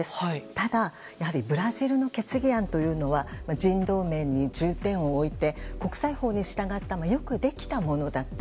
ただ、やはりブラジルの決議案というのは人道面に重点を置いて国際法に従ったよくできたものだった。